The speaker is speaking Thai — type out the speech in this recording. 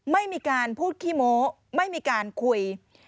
ไม่มีการพูดขี้โม้ไม่มีการคุย